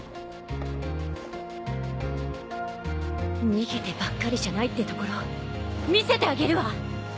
逃げてばっかりじゃないってところ見せてあげるわ！